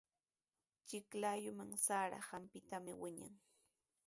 Chiklayuqa sara trawpintrawmi wiñan.